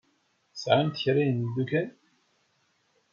Tesɛamt kra n yemddukal?